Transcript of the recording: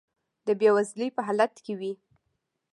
د بې وزنۍ په حالت کې وي.